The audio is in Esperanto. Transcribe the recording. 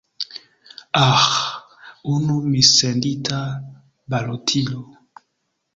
Aĥ, unu missendita balotilo.